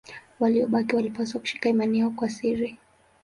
Waliobaki walipaswa kushika imani yao kwa siri.